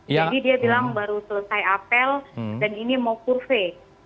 jadi dia bilang baru selesai apel dan ini mau kurve